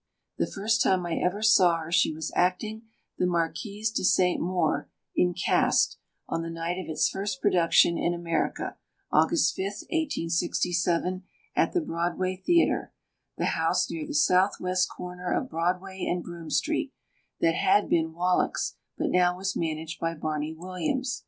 The first time I ever saw her she was acting the Marquise de St. Maur, in Caste, on the night of its first production in America, August 5, 1867, at the Broadway theatre, the house near the southwest corner of Broadway and Broome Street, that had been Wallack's but now was managed by Barney Williams.